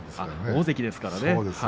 大関ですからね。